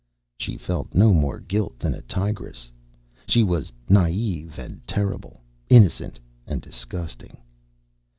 She felt no more guilt than a tigress. She was naive and terrible, innocent and disgusting.